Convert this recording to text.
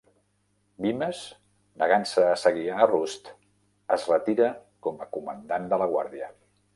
Vimes, negant-se a seguir a Rust, es retira com a comandant de la guàrdia.